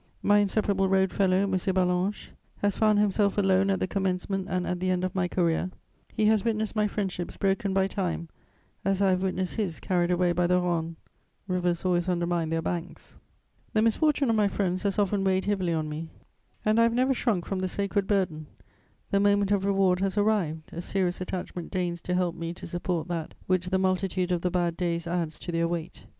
My inseparable road fellow, M. Ballanche, has found himself alone at the commencement and at the end of my career; he has witnessed my friendships broken by time as I have witnessed his carried away by the Rhone: rivers always undermine their banks. The misfortune of my friends has often weighed heavily on me, and I have never shrunk from the sacred burden: the moment of reward has arrived; a serious attachment deigns to help me to support that which the multitude of the bad days adds to their weight.